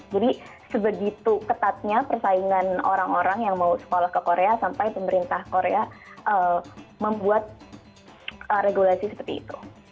jadi sebegitu ketatnya persaingan orang orang yang mau sekolah ke korea sampai pemerintah korea membuat regulasi seperti itu